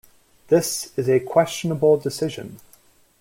This is a questionable decision.